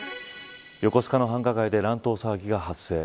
横須賀の繁華街で乱闘騒ぎが発生。